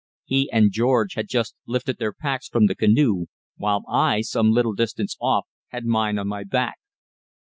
He and George had just lifted their packs from the canoe, while I, some little distance off, had mine on my back.